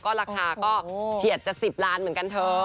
ราคาก็เฉียดจะ๑๐ล้านเหมือนกันเถอะ